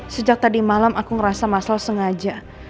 sejak tadi malam aku ngerasa muscle sengaja